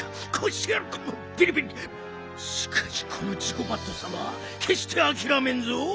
しかしこのジゴバットさまけっしてあきらめんぞ！